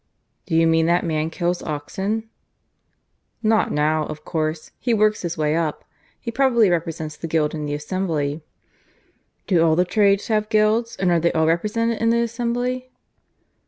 "Do you mean that man kills oxen?" "Not now, of course; he's worked his way up. He probably represents the Guild in the Assembly." "Do all the trades have guilds, and are they all represented in the Assembly?"